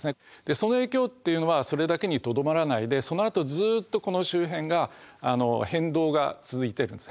その影響っていうのはそれだけにとどまらないでそのあとずっとこの周辺が変動が続いてるんです。